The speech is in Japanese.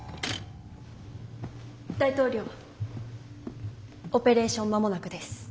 大統領オペレーション間もなくです。